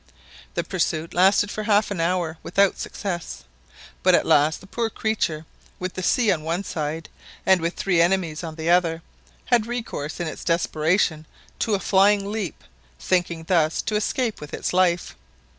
The pursuit lasted for half an hour without success; but at last the poor creature, with the sea on one side and its three enemies on the other, had recourse in its desperation to a flying leap, thinking thus to escape with its life.